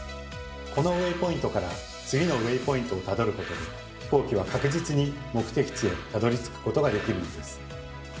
このウェイポイントから次のウェイポイントをたどることで飛行機は確実に目的地へたどりつくことができるんです。